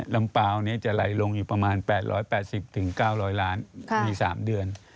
เปล่านี้จะไหลลงอยู่ประมาณ๘๘๐๙๐๐ล้านมี๓เดือน